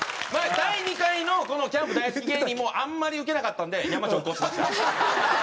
第２回のこのキャンプ大好き芸人もあんまりウケなかったんで山直行しました。